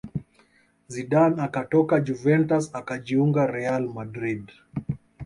Zidane akatoka Juventus akajiunga real madrid